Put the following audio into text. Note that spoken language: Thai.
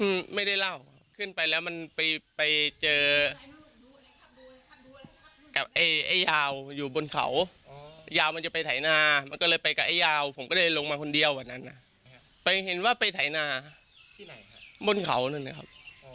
ไม่ได้เล่าครับขึ้นไปแล้วมันไปไปเจอกับไอ้ไอ้ยาวอยู่บนเขายาวมันจะไปไถนามันก็เลยไปกับไอ้ยาวผมก็เลยลงมาคนเดียววันนั้นนะไปเห็นว่าไปไถนาที่ไหนครับบนเขานั่นแหละครับ